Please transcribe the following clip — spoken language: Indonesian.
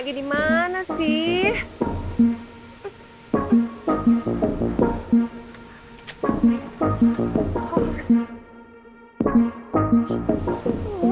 oh ini juga ness choppernya